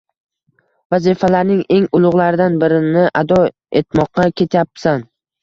vazifalarning eng ulug'laridan birini ado etmoqqa ketyapsan.